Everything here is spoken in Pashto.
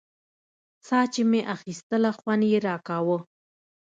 ساه چې مې اخيستله خوند يې راکاوه.